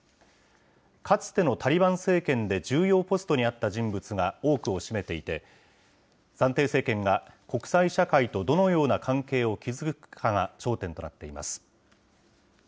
かつてのタリバン政権で重要ポストにあった人物が多くを占めていて、暫定政権が国際社会とどのような関係を築くかが焦点となっています。